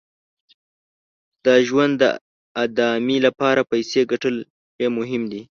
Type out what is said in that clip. د ژوند د ادامې لپاره پیسې ګټل یې مهم دي.